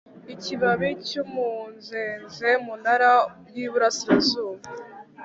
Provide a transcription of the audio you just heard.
ikibabi cy’umunzenze munara y’iburasirazuba